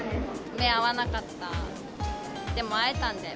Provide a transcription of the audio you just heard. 目合わなかった。